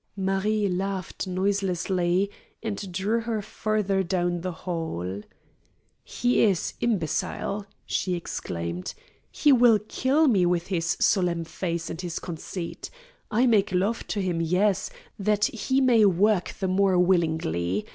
Marie laughed noiselessly and drew her farther down the hall. "He is imbecile!" she exclaimed. "He will kill me with his solemn face and his conceit. I make love to him yes that he may work the more willingly.